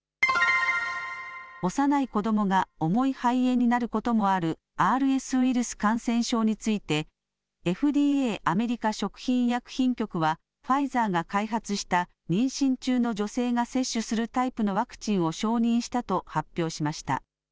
幼い子どもが重い肺炎になることもある、ＲＳウイルス感染症について、ＦＤＡ・アメリカ食品医薬品局は、ファイザーが開発した妊娠中の女性が接種するタイプのワクチンを承認したと発表しました。